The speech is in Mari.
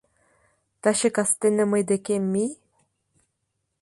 — Таче кастене мый декем мий.